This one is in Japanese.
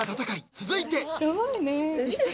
続いて］